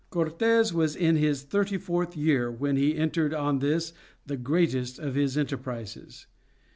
Cortes was in his thirty fourth year when he entered on this the greatest of his enterprises.